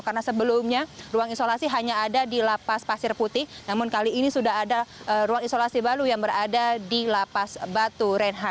karena sebelumnya ruang isolasi hanya ada di lapas pasir putih namun kali ini sudah ada ruang isolasi baru yang berada di lapas batu